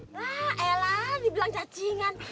nah ella dibilang cacingan